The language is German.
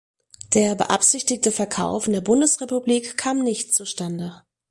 Der beabsichtigte Verkauf in der Bundesrepublik kam nicht zustande.